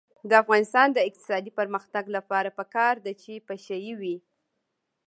د افغانستان د اقتصادي پرمختګ لپاره پکار ده چې پشه یي وي.